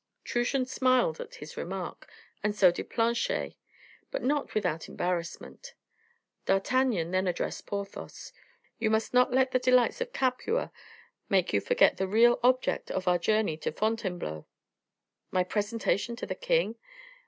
Truchen smiled at his remark, and so did Planchet, but not without embarrassment. D'Artagnan then addressed Porthos: "You must not let the delights of Capua make you forget the real object of our journey to Fontainebleau." "My presentation to the king?"